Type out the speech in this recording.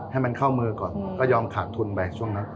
ให้มันเข้ามือก่อนก็ยอมขาดทุนไปช่วงนั้น